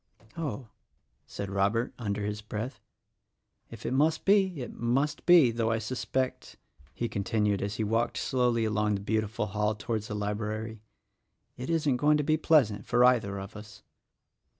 "Oh," said Robert — under his breath — "if it must be, it must be; though I suspect," he continued as he walked slowly along the beautiful hall towards the library, "it isn't going to be pleasant for either of us."